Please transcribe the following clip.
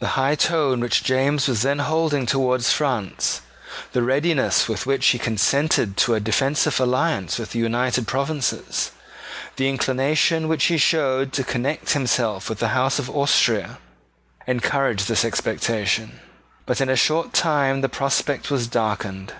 The high tone which James was then holding towards France, the readiness with which he consented to a defensive alliance with the United Provinces, the inclination which he showed to connect himself with the House of Austria, encouraged this expectation. But in a short time the prospect was darkened.